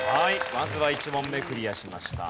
まずは１問目クリアしました。